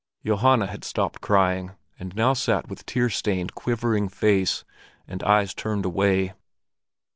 Johanna had stopped crying, and now sat with tear stained, quivering face, and eyes turned away.